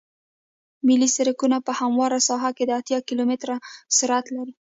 ملي سرکونه په همواره ساحه کې د اتیا کیلومتره سرعت لري